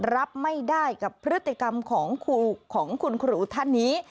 รับไม่ได้กับพฤติกรรมของคุณครูท่านนี้